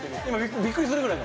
びっくりするぐらいの。